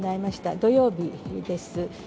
土曜日です。